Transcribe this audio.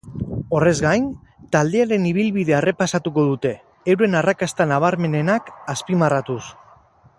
Horrez gain, taldearen ibilbidea errepasatuko dute, euren arrakasta nabarmenenak azpimarratuz.